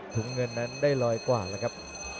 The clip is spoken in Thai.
เงินนั้นได้ลอยกว่าแล้วครับ